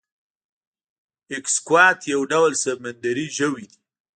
ایکسکوات یو ډول سمندری ژوی دی